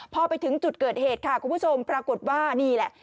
พอไปถึงจุดเกิดเหตุค่ะคุณผู้ชมปรากฏว่านี่แหละ